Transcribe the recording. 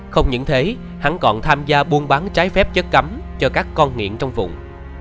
không những thế hắn còn tham gia buôn bán trái phép chất cấm cho các con nghiện trong vùng